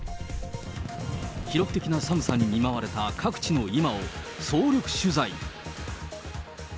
記録的な寒さに見舞われた各地の今を総力取材。